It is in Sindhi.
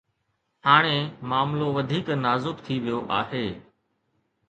هاڻي معاملو وڌيڪ نازڪ ٿي ويو آهي.